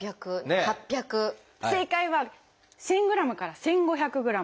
正解は１，０００ｇから１，５００ｇ。